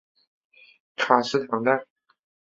卡斯唐代。